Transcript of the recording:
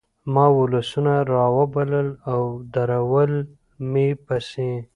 ما ولسونه رابلل او درول مې پسې